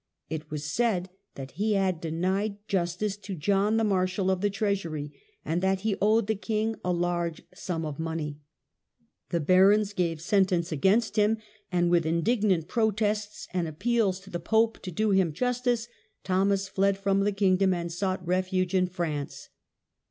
It was said that he had denied justice to John, the marshal of the treasury, and that he Exile 01 owed the king a large sum of money. The Becket. barons gave sentence against him, and, with indignant protests, and appeals to the pope to do him justice, Thomas fled from the kingdom and sought refuge in France.